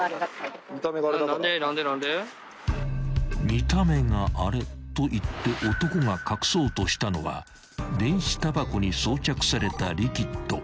［「見た目がアレ」と言って男が隠そうとしたのは電子たばこに装着されたリキッド］